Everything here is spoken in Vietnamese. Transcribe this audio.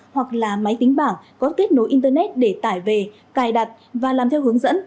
hoặc là máy tính bảng có kết nối internet để tải về cài đặt và làm theo hướng dẫn